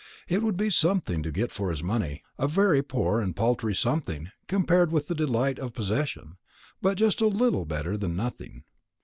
It would be something to get for his money; a very poor and paltry something, compared with the delight of possession, but just a little better than nothing.